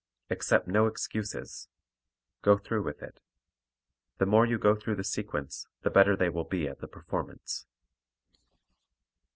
Accept no excuses; go through with it. The more you go through the sequence the better they will be at the performance.